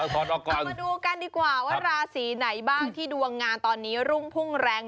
เอามาดูกันดีกว่าว่าราศีไหนบ้างที่ดวงงานตอนนี้รุ่งพุ่งแรง